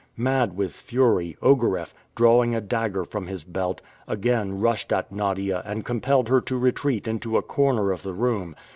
Mad with fury, Ogareff, drawing a dagger from his belt, again rushed at Nadia and compelled her to retreat into a corner of the room.